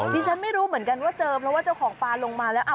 ดิฉันไม่รู้เหมือนกันว่าเจอเพราะว่าเจ้าของปลาลงมาแล้ว